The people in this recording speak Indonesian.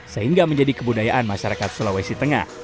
sehingga menjadi kebudayaan masyarakat sulawesi tengah